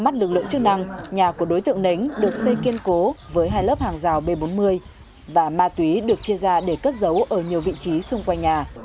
chức năng nhà của đối tượng nánh được xây kiên cố với hai lớp hàng rào b bốn mươi và ma túy được chia ra để cất giấu ở nhiều vị trí xung quanh nhà